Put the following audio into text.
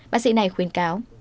bác sĩ này khuyên cáo